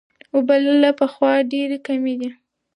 اوبه له پخوا ډېرې کمې دي.